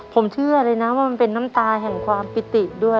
ผมเชื่อเลยนะว่ามันเป็นน้ำตาแห่งความปิติด้วย